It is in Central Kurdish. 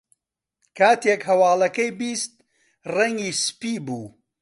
کاتێک هەواڵەکەی بیست، ڕەنگی سپی بوو.